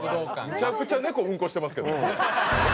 むちゃくちゃ猫ウンコしてますけどね。